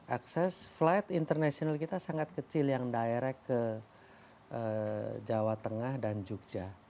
akses flight international kita sangat kecil yang direct ke jawa tengah dan jogja